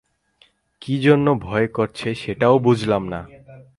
কী জন্যে ভয় করছে সেটাও বুঝলাম না।